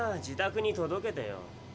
自宅に届けてよ。